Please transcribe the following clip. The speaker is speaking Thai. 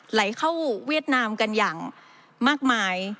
ไหลเข้าเวียดนามกันอย่างมากมาย